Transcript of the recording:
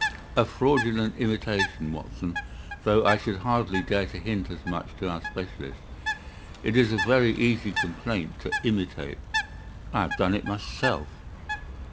"A fraudulent imitation, Watson, though I should hardly dare to hint as much to our specialist. It is a very easy complaint to imitate. I have done it myself."